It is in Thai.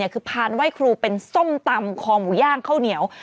คือพานไหว้ครูเป็นส้มตำคอหมูย่างข้าวเหนียว